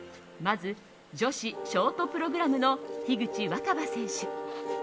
まず女子ショートプログラムの樋口新葉選手。